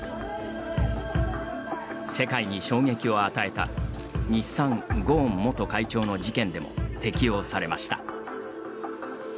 世界に衝撃を与えた日産ゴーン元会長の事件でも適用されました。